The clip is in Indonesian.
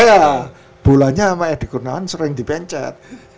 iya bulanya sama edi kurniawan sering dipencet